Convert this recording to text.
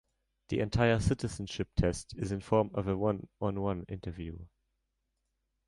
The entire citizenship test is in the form of a one-on-one interview.